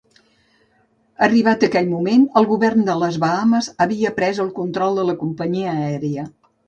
Arribat aquell moment, el govern de les Bahames havia pres el control de la companyia aèria.